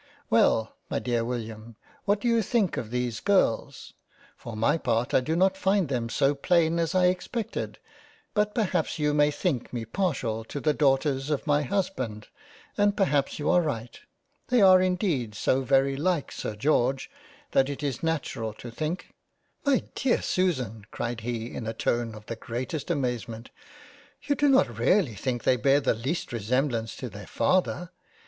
" Well my dear William what do you think of these girls ? for my part, I do not find them so plain as I expected : but perhaps you may think me partial to the Daughters of my Husband and perhaps you are right — They are indeed so very like Sir George that it is natural to think "" My Dear Susan (cried he in a tone of the greatest amaze ment) You do not really think they bear the least resemblance to their Father